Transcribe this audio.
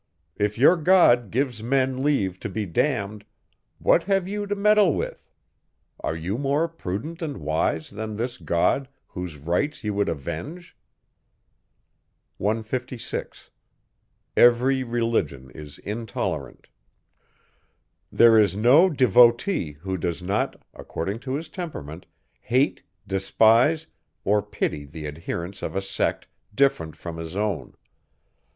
If your God gives men leave to be damned, what have you to meddle with? Are you more prudent and wise, than this God, whose rights you would avenge? 156. There is no devotee, who does not, according to his temperament, hate, despise, or pity the adherents of a sect, different from his own.